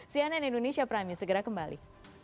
cnn indonesia prime news segera kembali